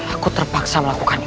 aku terpaksa melakukan ini